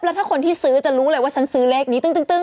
แล้วถ้าคนที่ซื้อจะรู้เลยว่าฉันซื้อเลขนี้ตึ้ง